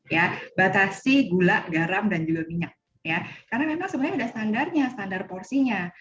ya batasi gula garam dan juga minyak ya karena memang sebenarnya ada standarnya standar porsinya